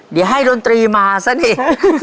เดี๋ยวให้ดนตรีมาซะนี่